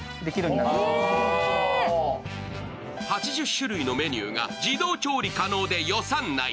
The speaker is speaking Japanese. ８０種類のメニューが自動調理可能で予算内。